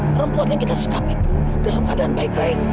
perempuan yang kita sekap itu dalam keadaan baik baik